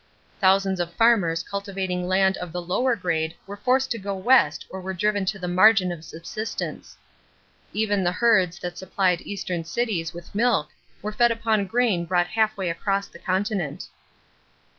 Thousands of farmers cultivating land of the lower grade were forced to go West or were driven to the margin of subsistence. Even the herds that supplied Eastern cities with milk were fed upon grain brought halfway across the continent.